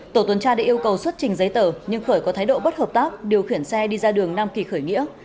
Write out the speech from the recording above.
tổ tuần tra đã yêu cầu xuất trình giấy tờ nhưng khởi có thái độ bất hợp tác điều khiển xe đi ra đường nam kỳ khởi nghĩa